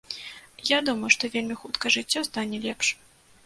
Я думаю, што вельмі хутка жыццё стане лепш.